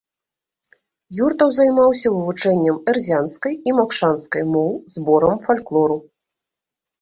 Юртаў займаўся вывучэннем эрзянскай і макшанскай моў, зборам фальклору.